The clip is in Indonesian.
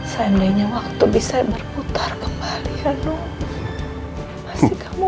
seandainya waktu bisa berputar kembali ya no